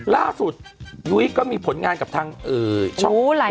ล่าสุดโยชน์ก็มีผลงานกับทั้งช่องอ๋อหูหูหลายช่อง